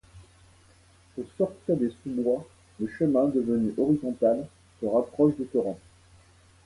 Au sortir des sous-bois, le chemin, devenu horizontal, se rapproche du torrent.